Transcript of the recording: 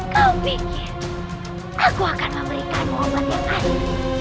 kau pikir aku akan memberikanmu obat yang aneh